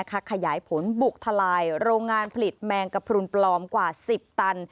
ขยายผลบุกทลายโรงงานผลิตแมงกระพรุนปลอมกว่า๑๐ตัน